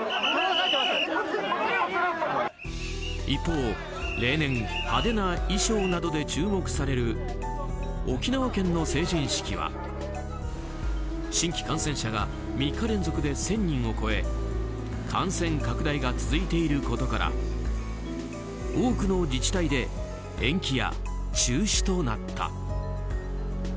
一方、例年派手な衣装などで注目される沖縄県の成人式は新規感染者が３日連続で１０００人を超え感染拡大が続いていることから多くの自治体で延期や中止となった。